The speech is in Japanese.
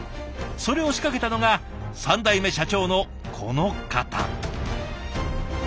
それを仕掛けたのが３代目社長のこの方。